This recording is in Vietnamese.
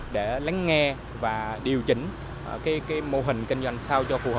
để lắng nghe và điều chỉnh mô hình kinh doanh sao cho phù hợp